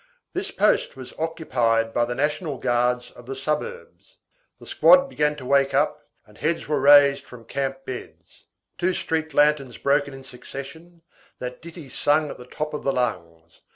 This post was occupied by the National Guards of the suburbs. The squad began to wake up, and heads were raised from camp beds. Two street lanterns broken in succession, that ditty sung at the top of the lungs.